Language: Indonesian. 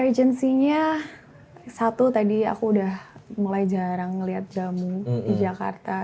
urgensinya satu tadi aku udah mulai jarang ngeliat jamu di jakarta